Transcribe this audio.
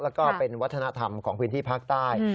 แล้วก็เป็นวัฒนธรรมของพื้นที่ภาคใต้